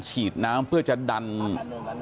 พี่ขอไปร้องข้างในก่อน